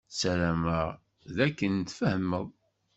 Ssarameɣ d akken tfehmeḍ.